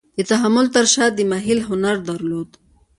د تحمل تر شا یې محیل هنر درلود.